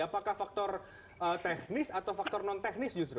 apakah faktor teknis atau faktor non teknis justru